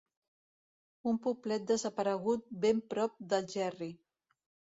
Un poblet desaparegut ben prop d’Algerri.